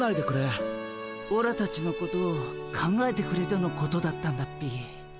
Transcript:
オラたちのことを考えてくれてのことだったんだっピィ。